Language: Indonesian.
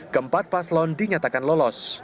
keempat paslon dinyatakan lolos